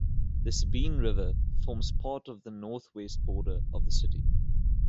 The Sabine River forms part of the northwest border of the city.